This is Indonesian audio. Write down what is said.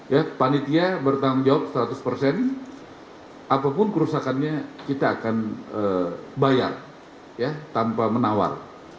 ya panitia bertanggung jawab seratus persen apapun kerusakannya kita akan bayar ya tanpa menawar